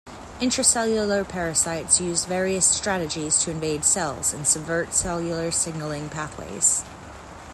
Intracellular parasites use various strategies to invade cells and subvert cellular signalling pathways.